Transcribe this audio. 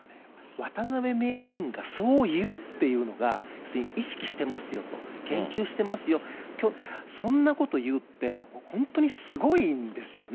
渡辺名人がそう言うっていうのが、意識してますよと、研究してますよ、そんなこと言って、本当にすごいんですよね。